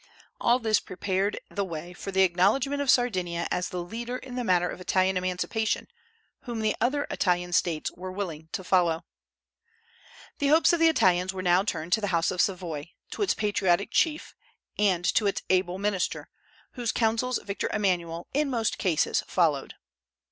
All this prepared the way for the acknowledgment of Sardinia as the leader in the matter of Italian emancipation, whom the other Italian States were willing to follow. The hopes of the Italians were now turned to the House of Savoy, to its patriotic chief, and to its able minister, whose counsels Victor Emmanuel in most cases followed.